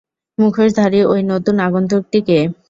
মুখোশধারী ওই নতুন আগন্তুকটি কে?